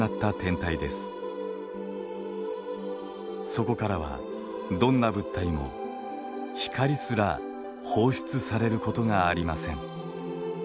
そこからはどんな物体も光すら放出されることがありません。